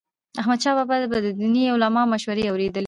احمدشاه بابا به د دیني عالمانو مشورې اوريدي.